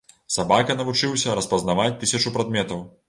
Сабака навучыўся распазнаваць тысячу прадметаў.